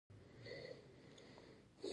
دا طلایي فرصت باید له لاسه ورنه کړي.